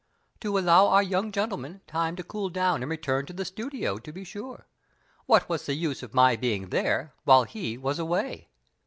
"To allow our young gentleman time to cool down and return to the studio, to be sure. What was the use of my being there while he was away?"